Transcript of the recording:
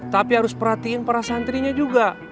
tapi harus perhatiin para santrinya juga